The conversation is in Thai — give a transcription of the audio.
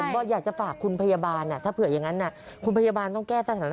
ก็อยากจะฝากคุณพยาบาลถ้าเผื่ออย่างนั้นคุณพยาบาลต้องแก้สถานะ